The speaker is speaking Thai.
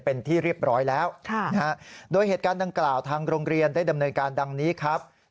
เป็นที่เรียบร้อยแล้วโดยเหตุการณ์ดังกล่าวทางโรงเรียนได้ดำเนินการดังนี้ครับ